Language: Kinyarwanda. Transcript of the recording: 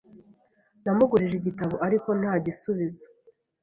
Namugurije igitabo, ariko ntagisubiza.